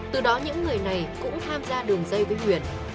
từ đó những người này cũng tham gia đường dây với nguyệt